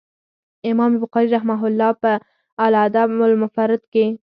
امام بخاري رحمه الله په الأدب المفرد کي